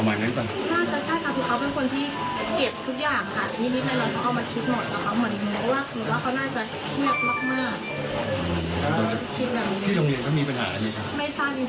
ไม่ใช่มีปัญหา